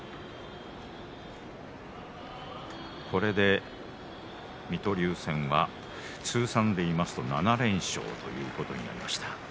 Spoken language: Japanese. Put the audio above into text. これで水戸龍戦は通算でいいますと７連勝ということになりました。